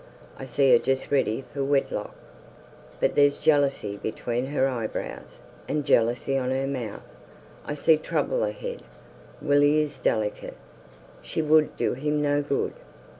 I see her just ready for wedlock, But there's jealousy between her eyebrows And jealousy on her mouth. I see trouble ahead. Willy is delicate. She would do him no good.